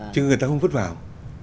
chứ người ta không vứt vào